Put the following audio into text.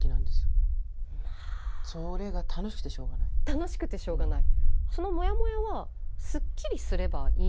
楽しくてしょうがない。